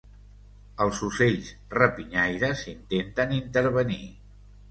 Els ocells rapinyaires intenten intervenir.